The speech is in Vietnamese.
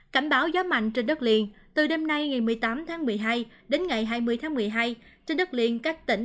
cảnh báo gió mạnh trên đất liền từ đêm nay ngày một mươi tám tháng một mươi hai đến ngày hai mươi tháng một mươi hai trên đất liền các tỉnh